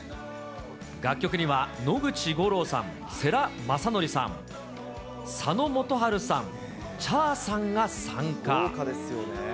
楽曲には、野口五郎さん、世良公則さん、佐野元春さん、チャーさんが参加。